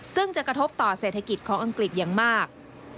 ซึ่งจะกระทบต่อเศรษฐกิจของอังกฤษอย่างมาก